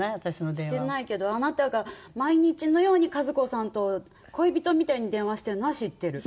してないけどあなたが毎日のように和子さんと恋人みたいに電話してるのは知ってる。